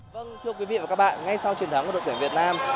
vâng thưa quý vị và các bạn ngay sau chiến thắng của đội tuyển việt nam